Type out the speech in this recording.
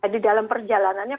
di dalam perjalanannya